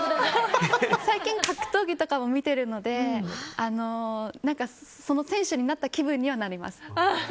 最近格闘技とかも見ているのでその選手になった気分にはなります。